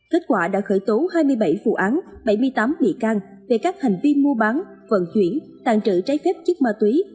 kết quả đã khởi tố hai mươi bảy vụ án bảy mươi tám bị can về các hành vi mua bán vận chuyển tàn trữ trái phép chất ma túy